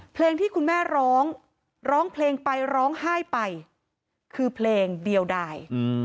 เพลงที่คุณแม่ร้องร้องเพลงไปร้องไห้ไปคือเพลงเดียวได้